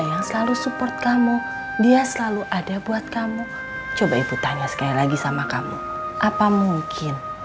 yang selalu support kamu dia selalu ada buat kamu coba ibu tanya sekali lagi sama kamu apa mungkin